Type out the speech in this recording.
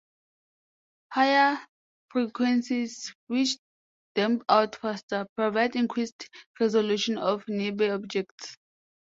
Higher frequencies, which damp out faster, provide increased resolution of nearby objects.